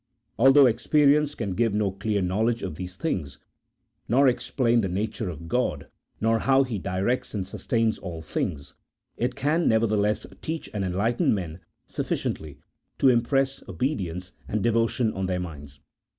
Although experience can give no clear knowledge of these things, nor explain the nature of God, nor how He directs and sustains all things, it can nevertheless teach and enlighten men sufficiently to impress obedience and devotion on their minds.